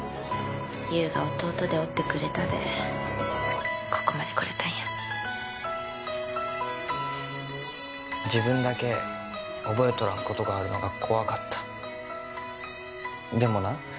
優が弟でおってくれたでここまでこれたんや自分だけ覚えとらんことがあるのが怖かったでもな